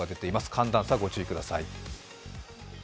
寒暖差、ご注意ください。